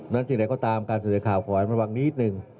นั่นสิ่งใดก็ตามการเสียข่าวขวายมันวางนิดนึง